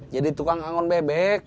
jadi tukang angon bebek